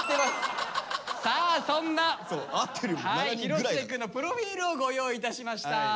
さあそんな廣末くんのプロフィールをご用意いたしました。